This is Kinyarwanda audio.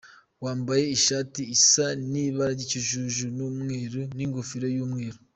wambaye ishati isa nibara ryikijuju numweru ningofero yumweru .